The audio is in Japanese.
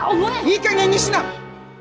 いいかげんにしな！